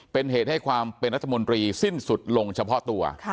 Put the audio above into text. เป็นเหตุให้ความเป็นรัฐมนตรีสิ้นสุดลงเฉพาะตัว